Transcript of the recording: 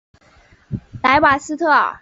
莱瓦斯特尔。